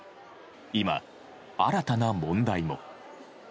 今、新たな問題も。